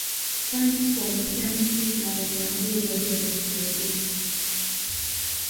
Kwani huambukiza mtu mara mia moja zaidi ya virusi vya Ukimwi